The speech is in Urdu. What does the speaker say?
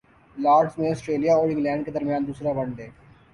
لارڈز میں اسٹریلیا اور انگلینڈ کے درمیان دوسرا ون ڈے